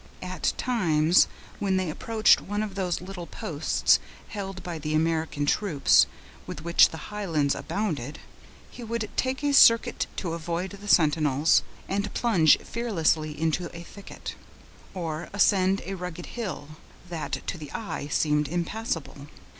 At times, when they approached one of those little posts held by the American troops, with which the Highlands abounded, he would take a circuit to avoid the sentinels, and plunge fearlessly into a thicket, or ascend a rugged hill, that to the eye seemed impassable.